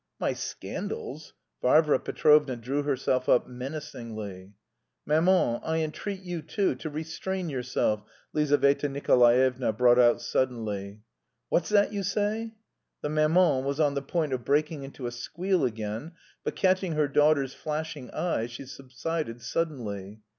"My scandals?" Varvara Petrovna drew herself up menacingly. "Maman, I entreat you too, to restrain yourself," Lizaveta Nikolaevna brought out suddenly. "What's that you say?" The maman was on the point of breaking into a squeal again, but catching her daughter's flashing eye, she subsided suddenly.